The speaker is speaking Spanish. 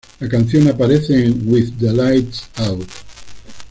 La canción aparece en "With the Lights Out".